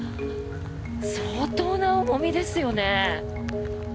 相当な重みですよね。